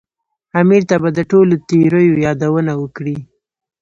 امیر ته به د ټولو تېریو یادونه وکړي.